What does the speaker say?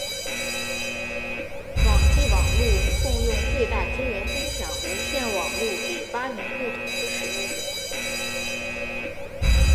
网际网路共用最大支援分享无线网路给八名不同的使用者。